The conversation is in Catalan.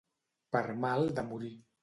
Per mal de morir.